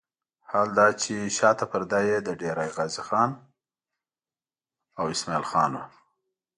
حال دا چې شاته پرده یې د ډېره غازي خان او اسماعیل خان وه.